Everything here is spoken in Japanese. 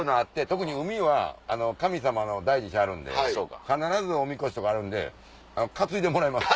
特に海は神様を大事にしはるんで必ずおみこしとかあるんで担いでもらいます。